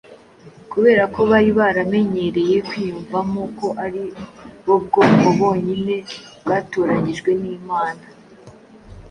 Kubera ko bari baramenyereye kwiyumvamo ko ari bo bwoko bonyine bwatoranyijwe n’Imana,